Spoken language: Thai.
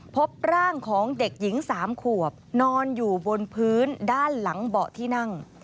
พบร่างของเด็กหญิง๓ขวบนอนอยู่บนพื้นด้านหลังเบาะที่นั่ง